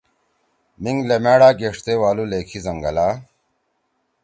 میِنگ لمیڑا گیݜتے والُو لکھی زنگللا